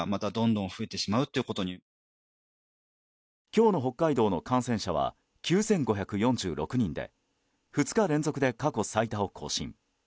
今日の北海道の感染者は９５４６人で２日連続で過去最多を更新。